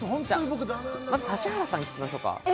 まず指原さん聞きましょうか。